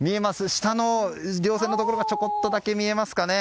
下の稜線のところがちょこっとだけ見えますかね。